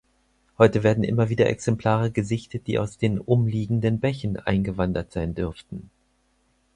Heute werden immer wieder Exemplare gesichtet, die aus den umliegenden Bächen eingewandert sein dürften.